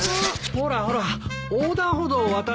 ほらほら横断歩道を渡ろう。